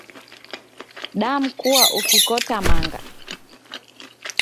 Damkua ukikota manga